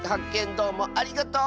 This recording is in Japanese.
どうもありがとう！